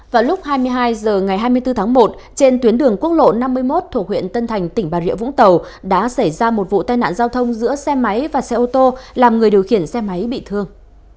vào lúc hai mươi hai h ngày hai mươi bốn tháng một trên tuyến đường quốc lộ năm mươi một thuộc huyện tân thành tỉnh bà rịa vũng tàu đã xảy ra một vụ tai nạn giao thông giữa xe máy và xe ô tô làm người điều khiển xe máy bị thương